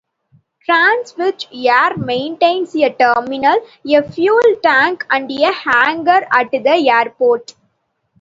Transwest Air maintains a terminal, a fuel tank and a hangar at the airport.